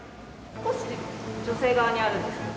少し女性側にあるんですけど。